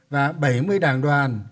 và bảy mươi đảng đoàn